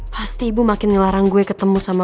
pasti ibu makin ngelarang gue ketemu sama